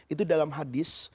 itu dalam hadis